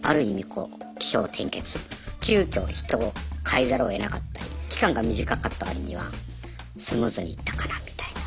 こう起承転結急きょ人をかえざるをえなかったり期間が短かった割にはスムーズにいったかなみたいな。